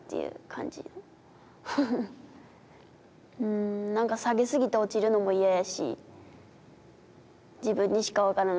ん何か下げ過ぎて落ちるのも嫌やし自分にしか分からない